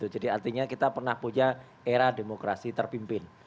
jadi artinya kita pernah punya era demokrasi terpimpin